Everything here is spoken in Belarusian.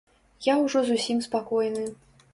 Я ўжо зусім спакойны.